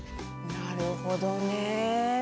なるほどね。